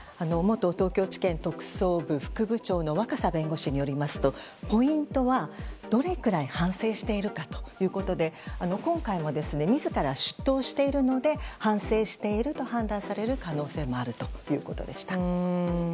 元東京地検特捜部副部長の若狭弁護士によりますとポイントは、どれくらい反省しているかということで今回も自ら出頭しているので反省してると判断される可能性もあるということでした。